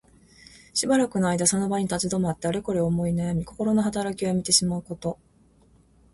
しばらくの間その場に立ち止まって、あれこれ思いなやみ、こころのはたらきをやめてしまうこと。